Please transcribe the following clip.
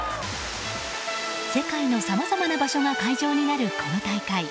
世界のさまざまな場所が会場になる、この大会。